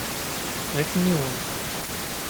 D akniwen.